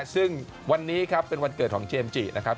ซึ่งวันนี้ครับเป็นวันเกิดของเจมส์จินะครับ